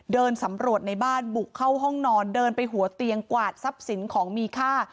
เดินสำรวจในบ้านบุกเข้าห้องนอนเดินไปหัวเตียงกวาดทรัพย์สินของมีค่า